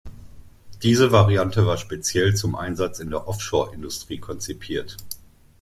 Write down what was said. Diese Variante war speziell zum Einsatz in der Offshore-Industrie konzipiert.